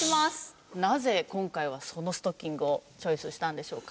なぜ今回はそのストッキングをチョイスしたんでしょうか？